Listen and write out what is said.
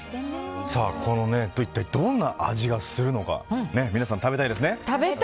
一体どんな味がするのか皆さん食べたいですね？